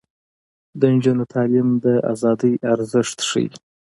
د نجونو تعلیم د ازادۍ ارزښت ښيي.